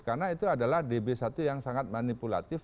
karena itu adalah db satu yang sangat manipulatif